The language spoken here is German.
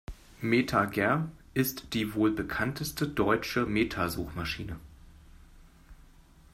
MetaGer ist die wohl bekannteste deutsche Meta-Suchmaschine.